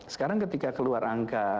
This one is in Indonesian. sekarang ketika keluar angka